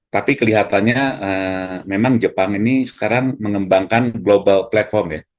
tapi kelihatannya memang jepang ini sekarang mengembangkan global platform ya